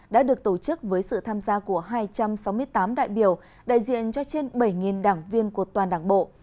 đã được tổ chức với sự tham gia của hai trăm sáu mươi tám đại biểu đại diện cho trên bảy đảng viên của toàn đảng bộ